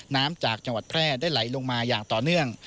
น้ำจากจังหวัดแพร่ได้ไหลลงมาอย่างต่อเนื่อง